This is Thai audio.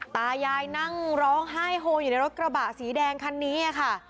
ตายายนั่งร้องไห้โฮอยู่ในรถกระบะสีแดงคันนี้ค่ะ